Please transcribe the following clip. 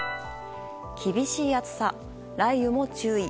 厳しい暑さ、雷雨も注意。